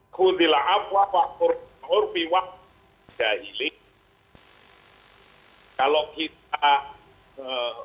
kalau kita mampu untuk melakukan